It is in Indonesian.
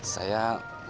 saya gak punya ini